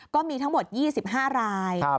ก็มีทั้งหมด๒๕ราย